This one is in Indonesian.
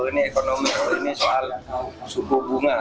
ini ekonomi ini soal suku bunga